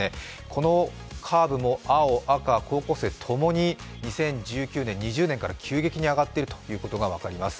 このカーブも青、赤、高校生ともに２０１９年、２０年から急激に上がっているということが分かります。